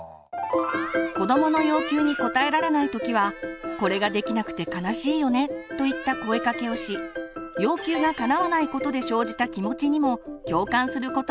子どもの要求に応えられない時は「これができなくて悲しいよね」といった声かけをし要求がかなわないことで生じた気持ちにも共感することが大事です。